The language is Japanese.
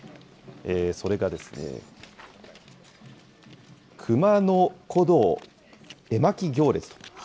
それがですね、熊野古道絵巻行列。